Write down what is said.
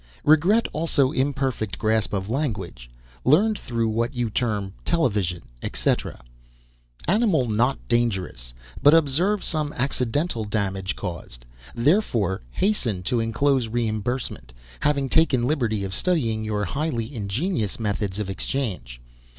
Regret also imperfect grasp of language, learned through what you term Television etc. Animal not dangerous, but observe some accidental damage caused, therefore hasten to enclose reimbursement, having taken liberty of studying your highly ingenious methods of exchange.